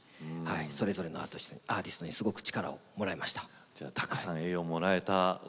それぞれのアーティストの方々に力をもらいました。